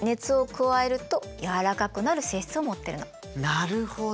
なるほど。